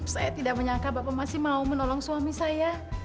saya tidak menyangka bapak masih mau menolong suami saya